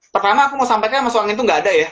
pertama aku mau sampaikan masuk angin tuh gak ada ya